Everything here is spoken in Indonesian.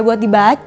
ya buat dibaca